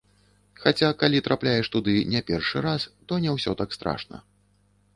Хаця, калі трапляеш туды не першы раз, то не ўсё так страшна.